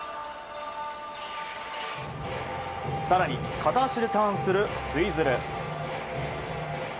更に、片足でターンするツイズル。